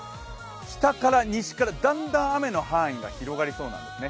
北から西から、だんだん雨の範囲が広がりそうなんですね。